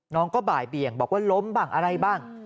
น้องก็บ่ายเบี่ยงบอกว่าล้มบ้างอะไรบ้าง